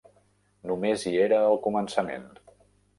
Només hi era al començament.